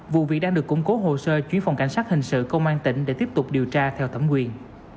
vụ việc đang được củng cố hồ sơ chuyển phòng cảnh sát hình sự công an tỉnh để tiếp tục điều tra theo thẩm quyền